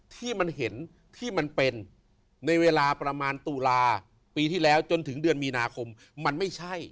ที่มันเห็นที่มันเป็นในเวลาประมาณตุลาปีที่แล้วจนถึงเดือนมีนาคมมันไม่ใช่